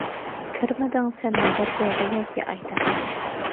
كىرمىدىڭ سەن مۇنبەرگە ۋە ياكى ئايدا.